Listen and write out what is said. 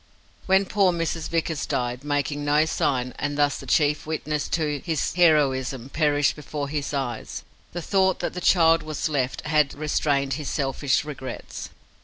When poor Mrs. Vickers died, making no sign, and thus the chief witness to his heroism perished before his eyes, the thought that the child was left had restrained his selfish regrets.